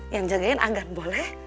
yang jagain agan boleh